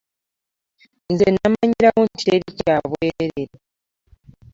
Nze namanyirawo nti teri kya bwereere.